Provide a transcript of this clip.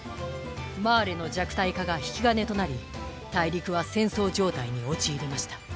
マーレの弱体化が引き金となり大陸は戦争状態に陥りました。